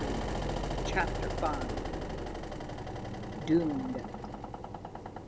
CHAPTER V _Doomed!